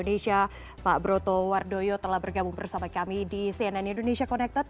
indonesia pak broto wardoyo telah bergabung bersama kami di cnn indonesia connected